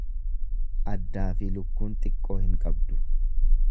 Addaafi lukkuun xiqqoo hin qabdu.